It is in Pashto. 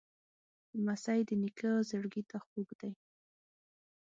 لمسی د نیکه زړګي ته خوږ دی.